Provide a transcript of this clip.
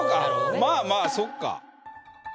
まあまあそっか。